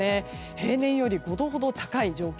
平年より５度ほど高い状況